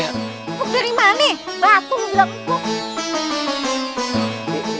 empuk dari mana batu lu bilang empuk